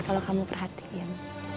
kalau kamu perhatikan